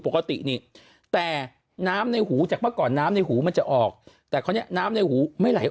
ปกตินี่แต่น้ำในหูจากเมื่อก่อนน้ำในหูมันจะออกแต่คราวนี้น้ำในหูไม่ไหล